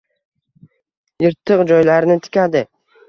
Yirtiq joylarini tikadi